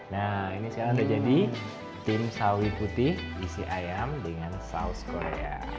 nah ini sekarang udah jadi tim sawi putih isi ayam dengan saus korea